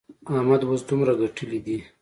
احمد اوس دومره ګټلې دي.